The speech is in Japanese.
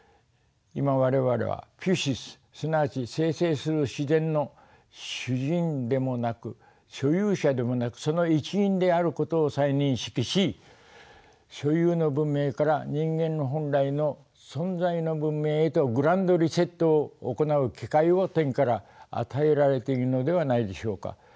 今我々はピュシスすなわち生成する自然の主人でもなく所有者でもなくその一員であることを再認識し所有の文明から人間の本来の存在の文明へとグランド・リセットを行う機会を天から与えられているのではないでしょうか。